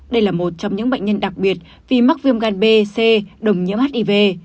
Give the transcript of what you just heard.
đây là một trong những bệnh nhân đặc biệt vì mắc viêm gan b c đồng nhiễm hiv